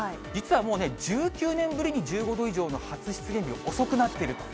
実はもうね、１９年ぶりに１５度以上の遅くなっている。